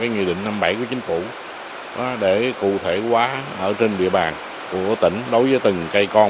nghị định năm bảy của chính phủ để cụ thể quá ở trên địa bàn của tỉnh đối với từng cây con